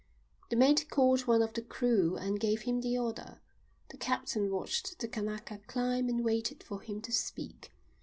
The mate called one of the crew and gave him the order. The captain watched the Kanaka climb and waited for him to speak.